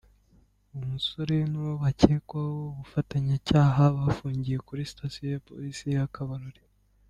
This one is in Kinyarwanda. Uwo musore n’uwo bakekwaho ubufatanyacyaha, bafungiye kuri sitasiyo ya Polisi ya Kabarore.